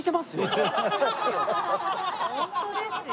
ホントですよ。